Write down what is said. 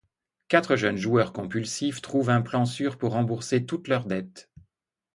Quatre jeunes joueurs compulsifs trouvent un plan sûr pour rembourser toutes leurs dettes.